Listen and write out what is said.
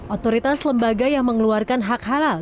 otoritas lembaga yang mengeluarkan hak halal